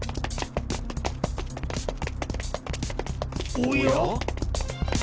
おや？